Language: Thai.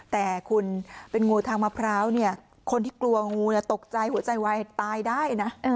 แต่คุณเป็นงูทางมะพร้าวเนี่ยคนที่กลัวงูตกใจหัวใจวายตายได้นะ